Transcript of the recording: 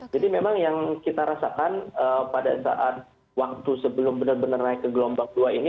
jadi memang yang kita rasakan pada saat waktu sebelum benar benar naik ke gelombang kedua ini